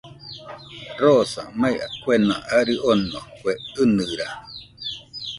Rosa, mai kuena arɨ ono, kue ɨnɨra